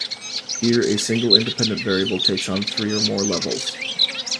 Here a single independent variable takes on three or more levels.